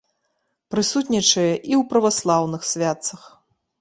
Прысутнічае і ў праваслаўных святцах.